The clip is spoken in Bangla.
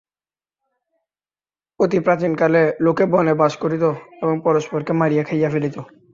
অতি প্রাচীনকালে লোকে বনে বাস করিত এবং পরস্পরকে মারিয়া খাইয়া ফেলিত।